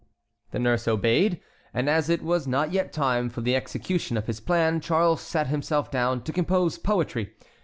The nurse obeyed, and as it was not yet time for the execution of his plan, Charles sat himself down to compose poetry.